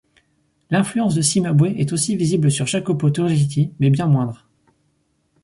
L'influence de Cimabue est aussi visible sur Jacopo Torriti mais bien moindre.